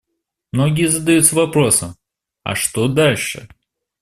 Многие задаются вопросом: а что дальше?